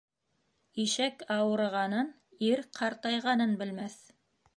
Ишәк ауырығанын, ир ҡартайғанын белмәҫ.